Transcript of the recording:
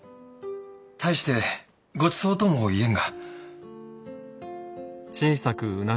大してごちそうとも言えぬが。